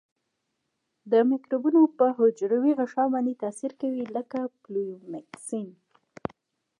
د مکروبونو په حجروي غشا باندې تاثیر کوي لکه پولیمیکسین.